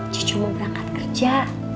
cucu mau berangkat kerja